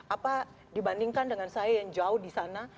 apa dibandingkan dengan saya yang jauh di sana